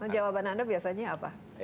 jawaban anda biasanya apa